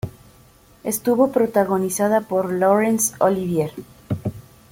Estuvo protagonizada por Laurence Olivier.